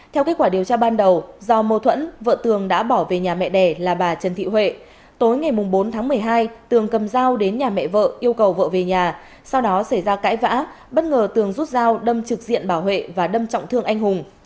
theo kết quả điều tra ban đầu do mâu thuẫn vợ tường đã bỏ về nhà mẹ đẻ là bà trần thị huệ tối ngày bốn tháng một mươi hai tường cầm dao đến nhà mẹ vợ yêu cầu vợ về nhà sau đó xảy ra cãi vã bất ngờ tường rút dao đâm trực diện bảo huệ và đâm trọng thương anh hùng